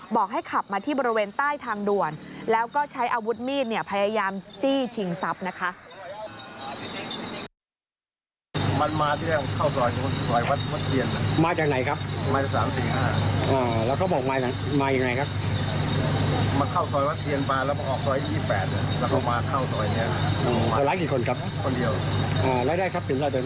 บอกให้ขับมาที่บริเวณใต้ทางด่วนแล้วก็ใช้อาวุธมีดพยายามจี้ชิงทรัพย์นะคะ